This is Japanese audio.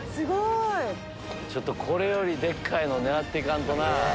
これよりでかいの狙っていかんとな。